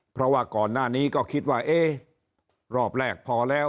เพราะว่าก่อนหน้านี้ก็คิดว่าเอ๊ะรอบแรกพอแล้ว